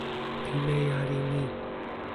pimeja li mi.